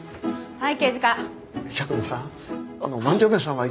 はい。